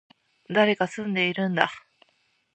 誰が住んでいるんだ